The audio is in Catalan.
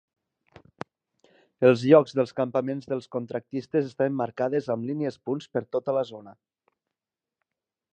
Els llocs dels campaments dels contractistes estaven marcades amb línies punts per tota la zona.